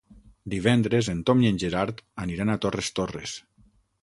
Divendres en Tom i en Gerard aniran a Torres Torres.